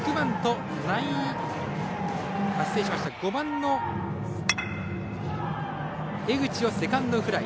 ５番の江口をセカンドフライ。